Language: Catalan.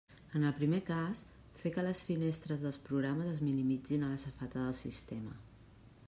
En el primer cas, fer que les finestres dels programes es minimitzin a la safata del sistema.